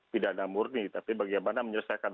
pidana murni tapi bagaimana menyelesaikan